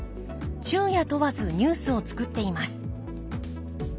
昼夜問わずニュースを作っています。